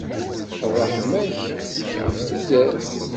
Ṛṛeḥma-k tif tudert.